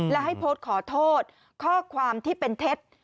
และให้โพสต์ขอโทษข้อความที่เป็นเท็จ